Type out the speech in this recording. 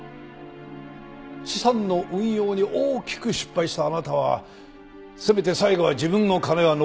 資産の運用に大きく失敗したあなたはせめて最後は自分の金は残しておきたい。